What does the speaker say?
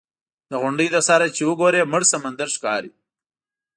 د غونډۍ له سره چې وګورې مړ سمندر ښکاري.